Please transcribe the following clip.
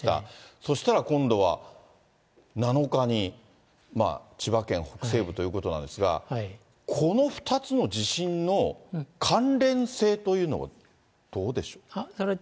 そしたら今度は７日に千葉県北西部ということなんですが、この２つの地震の関連性というのはどうでしょうか。